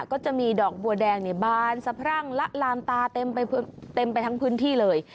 ก็จะมีดอกบัวแดงบานสะพรั่งละลานตาเต็มไปทั้งพื้นที่เลย